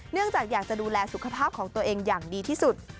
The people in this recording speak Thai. เนื่องจากอยากจะดูแลสุขภาพของตัวเองอย่างดีที่สุด